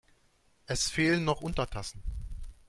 Es fehlen noch Untertassen.